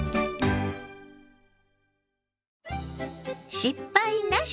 「失敗なし！